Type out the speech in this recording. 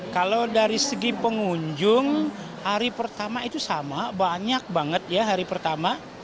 kalau dari segi pengunjung hari pertama itu sama banyak banget ya hari pertama